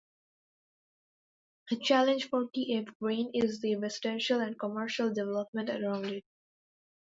A challenge for T. F. Green is the residential and commercial development around it.